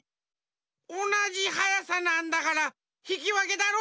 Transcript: おなじはやさなんだからひきわけだろ？